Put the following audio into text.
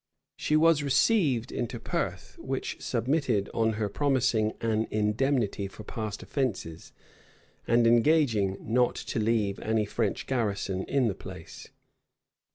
She was received into Perth, which submitted, on her promising an indemnity for past offences, and engaging not to leave any French garrison in the place.